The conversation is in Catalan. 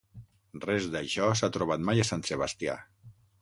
Res d'això s'ha trobat mai a Sant Sebastià.